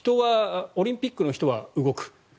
オリンピックの人は動く。